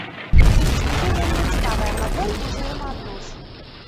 Існуе вельмі цікавая мадэль узаемаадносін.